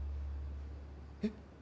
えっ？